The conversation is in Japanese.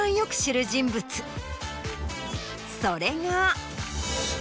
それが。